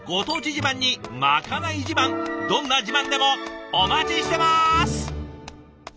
自慢にまかない自慢どんな自慢でもお待ちしてます！